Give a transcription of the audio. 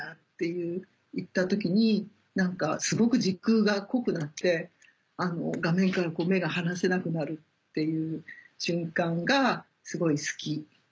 っていった時に何かすごく軸が濃くなって画面から目が離せなくなるっていう瞬間がすごい好き。